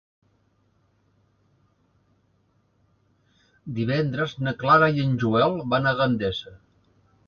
Divendres na Clara i en Joel van a Gandesa.